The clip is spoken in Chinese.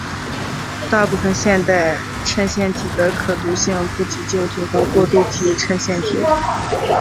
大部分现代衬线体的可读性不及旧体和过渡体衬线体。